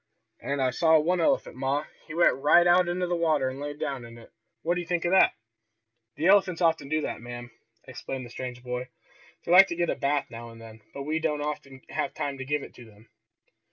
And I saw one elephant, ma, he went right out in the water and laid down in it. What do you think of that!" "The elephants often do that, ma'am," explained the strange boy. "They like to get a bath now and then, but we don't often have time to give it to them."